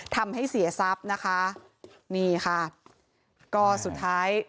ทำให้เสียทรัพย์นะคะนี่ค่ะก็สุดท้าย